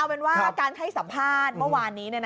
เอาเป็นว่าการให้สัมภาษณ์เมื่อวานนี้